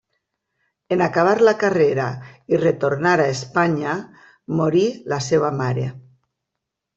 En acabar la carrera i retornar a Espanya, morí la seva mare.